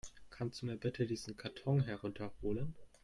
Kannst du mir bitte diesen Karton herunter holen?